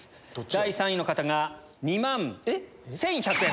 第３位の方が２万１１００円。